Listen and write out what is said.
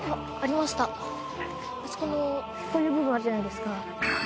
あそこのこういう部分あるじゃないですか。